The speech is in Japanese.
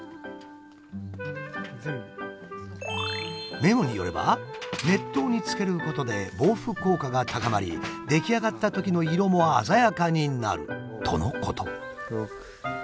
メモによれば熱湯につけることで防腐効果が高まり出来上がったときの色も鮮やかになるとのこと。